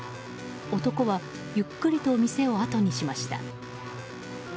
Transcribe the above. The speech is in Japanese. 男は、ゆっくりと店をあとにしました。